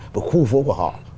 và khu phố của họ